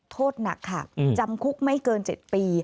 โทษหนักค่ะจำคุกไม่เกิน๗ปี